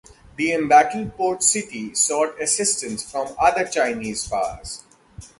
The embattled port city sought assistance from other Chinese powers.